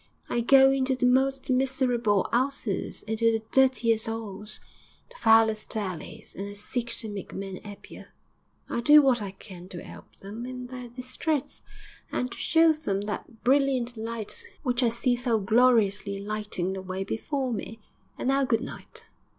I go into the most miserable 'ouses, into the dirtiest 'oles, the foulest alleys, and I seek to make men 'appier. I do what I can to 'elp them in their distress, and to show them that brilliant light which I see so gloriously lighting the way before me. And now good night!'